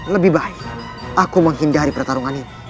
lebih baik aku menghindari pertarungan itu